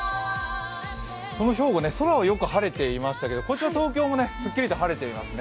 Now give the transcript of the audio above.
この兵庫、空はよく晴れていましたけどこちらの東京もすっきりと晴れていますね。